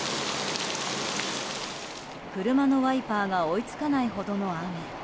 車のワイパーが追い付かないほどの雨。